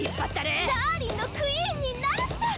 ダーリンのクイーンになるっちゃ！